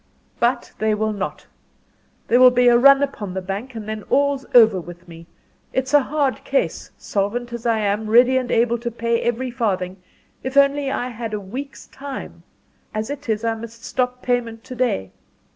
"But they will not. There will be a run upon the bank and then all's over with me. It's a hard case solvent as I am ready and able to pay every farthing if only I had a week's time. As it is I must stop payment to day.